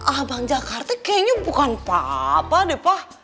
abang jakarta kayaknya bukan papa deh pa